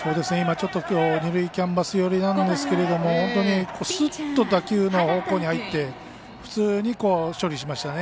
ちょっと、きょうは２塁キャンバス寄りなんですけどすっと打球の方向に入って普通に処理しましたね。